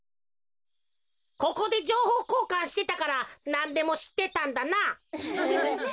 ここでじょうほうこうかんしてたからなんでもしってたんだな。